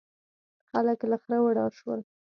خلک له خره وډار شول.